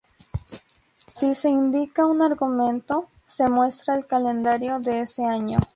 Si se indica un argumento, se muestra el calendario de ese año.